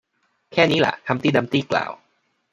แค่นี้ล่ะ ฮัมพ์ตี้ดัมพ์ตี้กล่าว